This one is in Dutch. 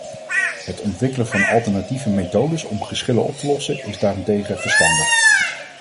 Het ontwikkelen van alternatieve methodes om geschillen op te lossen is daarentegen verstandig.